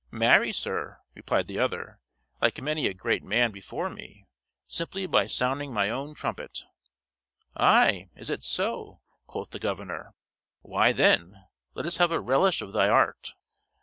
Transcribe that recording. "Marry, sir," replied the other, "like many a great man before me, simply by sounding my own trumpet." "Ay, is it so?" quoth the governor; "why, then, let us have a relish of thy art."